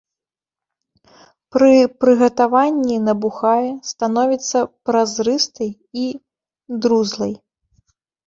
Пры прыгатаванні набухае, становіцца празрыстай і друзлай.